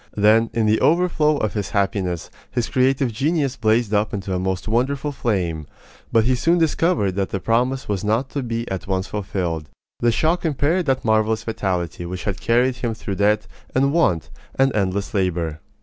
Then, in the overflow of his happiness, his creative genius blazed up into a most wonderful flame; but he soon discovered that the promise was not to be at once fulfilled. The shock impaired that marvelous vitality which had carried him through debt, and want, and endless labor.